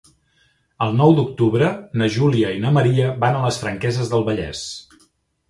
El nou d'octubre na Júlia i na Maria van a les Franqueses del Vallès.